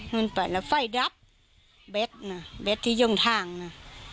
หุ่นเปล่าไฟดับเบสนะเบสที่ย่งทางนะ